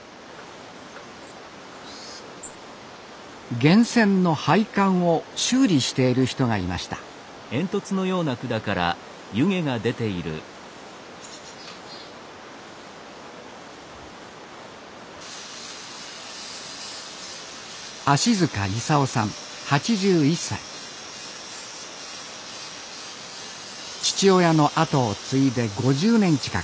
源泉の配管を修理している人がいました父親の後を継いで５０年近く。